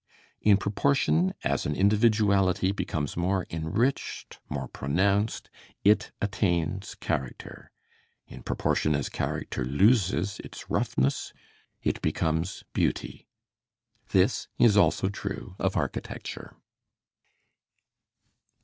In proportion as an individuality becomes more enriched, more pronounced, it attains character; in proportion as character loses its roughness it becomes beauty. This is also true of architecture.